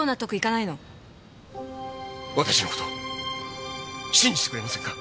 私の事信じてくれませんか？